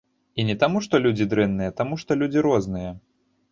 І не таму, што людзі дрэнныя, а таму, што людзі розныя.